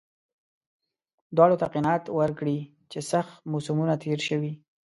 دواړو ته قناعت ورکړي چې سخت موسمونه تېر شوي.